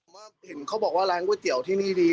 เห็นเขาบอกว่าร้านก๋วยเตี๋ยวที่นี่ดี